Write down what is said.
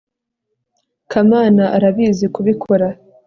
kamana arabizi kubikora